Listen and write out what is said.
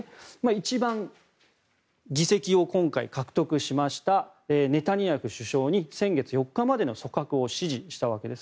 一番議席を今回、獲得しましたネタニヤフ首相に先月４日までの組閣を指示したわけです。